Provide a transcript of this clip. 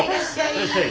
いらっしゃい。